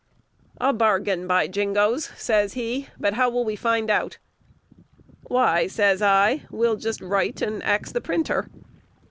"A bargain, by jingoes!" says he; "but how will we find out?" "Why," says I, "we'll just write, and ax the printer."